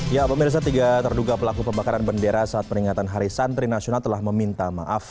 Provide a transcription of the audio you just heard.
ya pemirsa tiga terduga pelaku pembakaran bendera saat peringatan hari santri nasional telah meminta maaf